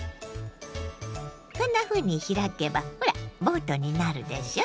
こんなふうに開けばほらボートになるでしょ。